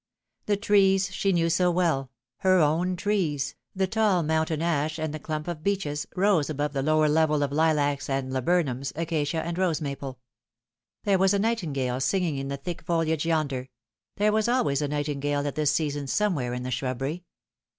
The trees she knew so well her own trees the tall mountain ash and the clump of beeches, rose above the lower level ol lilacs and laburnums, acacia and rose maple. There was a nightingale singing in the thick foliage yonder there was always a nightingale at this season somewhere in the shrubbery.